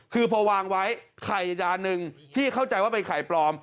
คือพอวางไว้ไข่จานหนึ่งที่เข้าใจว่าเป็นไข่ปลอม